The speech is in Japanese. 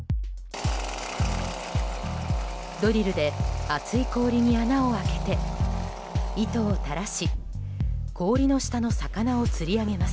ドリルで厚い氷に穴を開けて糸を垂らし氷の下の魚を釣り上げます。